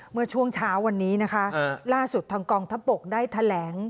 เมื่อช่วงเช้าวันนี้นะคะล่าสุดทางกองทัพบกได้แถลง